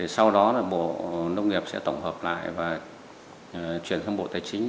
sau đó là bộ nông nghiệp sẽ tổng hợp lại và chuyển sang bộ tài chính